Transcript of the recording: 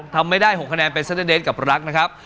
ทำไม่ได้๖คะแนนเป็นเสด็จกับลักษณ์นะครับ